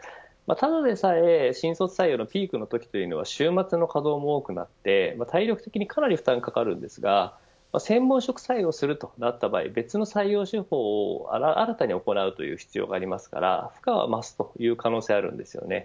ただでさえ新卒採用のピークのときは週末の稼働も多くなって体力的にかなり負担がかかるんですが専門職採用するとなった場合別の採用手法を新たに行う必要がありますから負荷は増す可能性があるんです。